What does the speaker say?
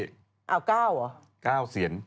๙เสียนหรอ๙เสียน